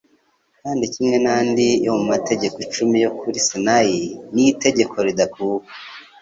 kandi kimwe n’andi yo mu mategeko icumi yo kuri Sinai, ni itegeko ridakuka.